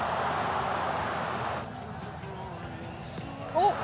おっ！